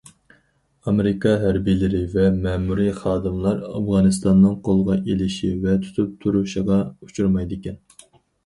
ئامېرىكا ھەربىيلىرى ۋە مەمۇرىي خادىملار ئافغانىستاننىڭ قولغا ئېلىشى ۋە تۇتۇپ تۇرۇشىغا ئۇچرىمايدىكەن.